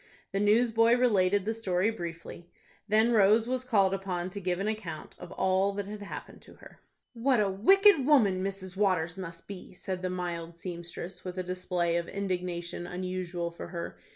The newsboy related the story briefly. Then Rose was called upon to give an account of all that had happened to her. "What a wicked woman Mrs. Waters must be!" said the mild seamstress, with a display of indignation unusual for her.